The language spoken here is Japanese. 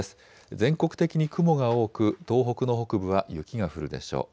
全国的に雲が多く東北の北部は雪が降るでしょう。